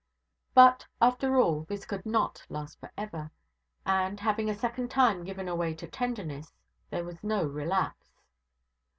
But, after all, this could not last for ever; and, having a second time given way to tenderness, there was no relapse.